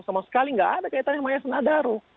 sama sekali tidak ada kaitannya sama yayasan adaro